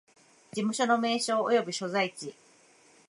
事務所の名称及び所在地